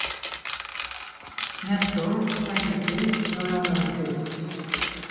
Netco, technically, no longer exists.